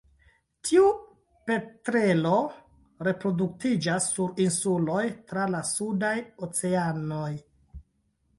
Tiu petrelo reproduktiĝas sur insuloj tra la sudaj oceanoj.